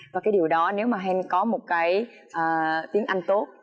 và cái điều đó nếu mà hen có một cái tiếng anh tốt